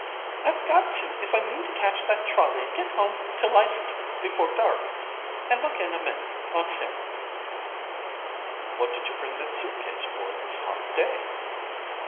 "I ve got to if I mean to catch that trolley and get home to Leicester before dark, and look in a minute on Sarah." "What did you bring that suit case for this hot day?"